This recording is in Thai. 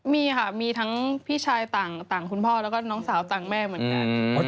มีค่ะมีทั้งพี่ชายต่างคุณพ่อแล้วก็น้องสาวต่างแม่เหมือนกัน